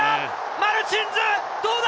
マルチンズ、どうだ？